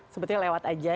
sepertinya lewat aja